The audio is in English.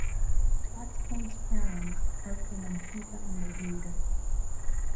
Claxton's parents are from Antigua and Barbuda.